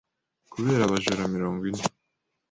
Kubera abajura mirongo ine